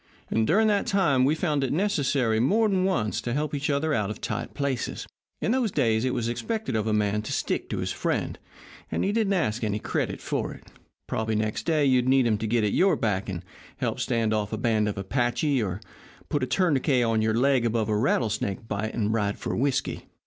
And during that time we've found it necessary more than once to help each other out of tight places. In those days it was expected of a man to stick to his friend, and he didn't ask any credit for it. Probably next day you'd need him to get at your back and help stand off a band of Apaches, or put a tourniquet on your leg above a rattlesnake bite and ride for whisky.